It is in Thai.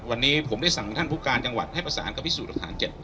วันนี้ผมได้สั่งท่านผู้การจังหวัดให้ประสานกับพิสูจน์หลักฐาน๗